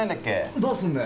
どうすんだよ？